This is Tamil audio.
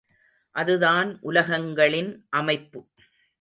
அதுதான் உலகங்களின் அமைப்பு.